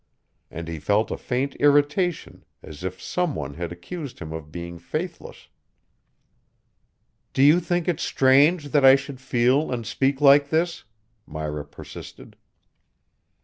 And he felt a faint irritation, as if some one had accused him of being faithless. "Do you think it's strange that I should feel and speak like this?" Myra persisted.